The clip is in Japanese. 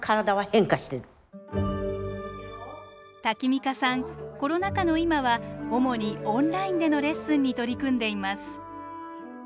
タキミカさんコロナ禍の今は主にオンラインでのレッスンに取り組んでいます。